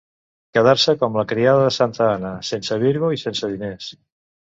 Quedar-se com la criada de santa Anna, sense virgo i sense diners.